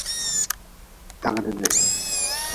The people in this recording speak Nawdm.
Tagdi be.